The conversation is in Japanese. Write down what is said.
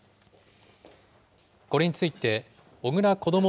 これについて、小倉こども